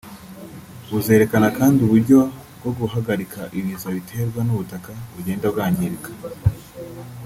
Buzerekana kandi uburyo bwo guhagarika ibiza biterwa n’ubutaka bugenda bwangirika